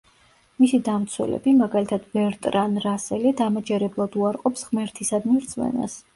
მისი დამცველები, მაგალითად ბერტრან რასელი დამაჯერებლად უარყოფს ღმერთისადმი რწმენას.